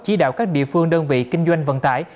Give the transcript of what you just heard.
chỉ đạo các địa phương đơn vị kinh doanh vận tải